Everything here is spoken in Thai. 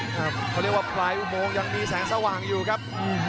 เขาเรียกว่าปลายอุโมงยังมีแสงสว่างอยู่ครับ